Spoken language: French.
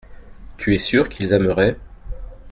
Tu es sûr qu’ils aimeraient.